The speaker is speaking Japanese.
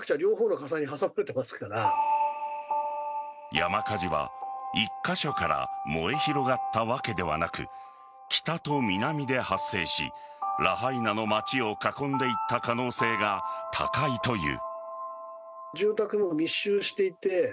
山火事は１カ所から燃え広がったわけではなく北と南で発生しラハイナの町を囲んでいた可能性が高いという。